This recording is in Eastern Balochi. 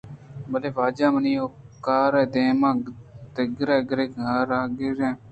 بلے واجہ منی وَ کار دائم دگرءِ گِرگ ءُ دارگیں